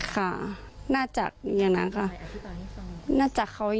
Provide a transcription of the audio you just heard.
ค่ะน่าจะมีอย่างนั้นค่ะ